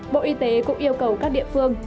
bộ y tế cũng yêu cầu các địa phương